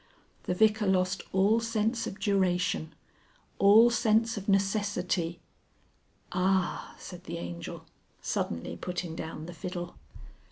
The Vicar lost all sense of duration, all sense of necessity "Ah!" said the Angel, suddenly putting down the fiddle.